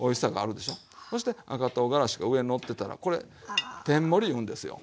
そして赤とうがらしが上にのってたらこれ天盛りいうんですよ。